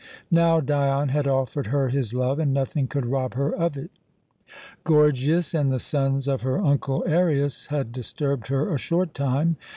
Now Dion had offered her his love, and nothing could rob her of it. Gorgias and the sons of her uncle Arius had disturbed her a short time.